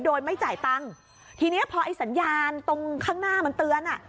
โดยไม่จ่ายตังค์ทีเนี้ยพอไอ้สัญญาณตรงข้างหน้ามันเตือนอ่ะ